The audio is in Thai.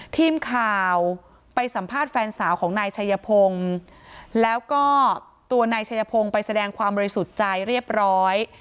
ทีมข่าวไปสัมภาษณ์แฟนสาวของนายชัยพงศ์แล้วก็ตัวนายชัยพงศ์ไปแสดงความบริสุทธิ์ใจเรียบร้อย